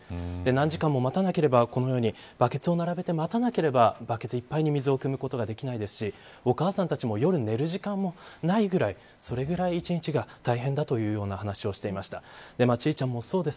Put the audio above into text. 何時間も待たなければこのようにバケツを並べて待たなければバケツいっぱいに水をくむことができないですしお母さんたちも夜寝る時間もないぐらいそれぐらい１日が大変だと話してました。